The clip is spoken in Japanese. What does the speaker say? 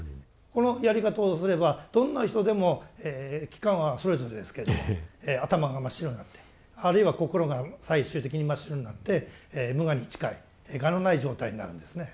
このやり方をすればどんな人でも期間はそれぞれですけども頭が真っ白になってあるいは心が最終的に真っ白になって無我に近い我のない状態になるんですね。